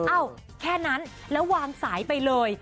แค่นั้นแล้ววางสายไปเลย